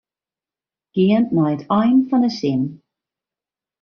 Gean nei it ein fan de sin.